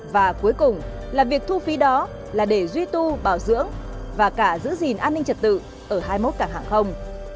và cuối cùng là việc thu phí đó là để duy tu bảo dưỡng và cả giữ gìn an ninh trật tự ở hai mươi một cả hàng không